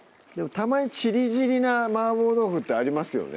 たまに散り散りな麻婆豆腐ってありますよね